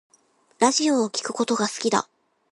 ラジオを聴くことが好きだ